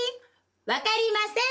分かりません。